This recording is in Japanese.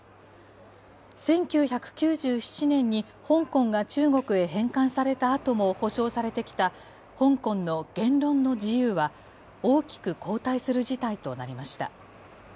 １９９７年に、香港が中国へ返還されたあとも保障されてきた香港の言論の自由は、大きく後退する事態となりました。